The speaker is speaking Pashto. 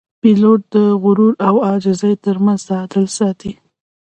پیلوټ د غرور او عاجزۍ ترمنځ تعادل ساتي.